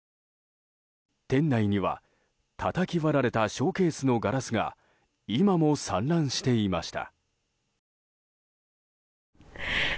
店内には、たたき割られたショーケースのガラスが今も散乱していました。